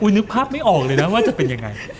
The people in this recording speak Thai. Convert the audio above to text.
นึกภาพไม่ออกเลยนะว่าจะเป็นยังไง